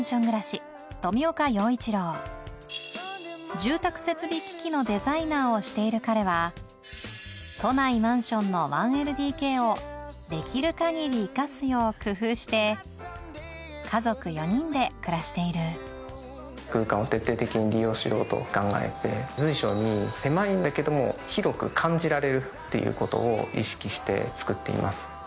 住宅設備機器のデザイナーをしている彼は都内マンションの１ＬＤＫをできる限り生かすよう工夫して家族４人で暮らしている空間を徹底的に利用しようと考えて随所に狭いんだけども広く感じられるっていうことを意識して作っています。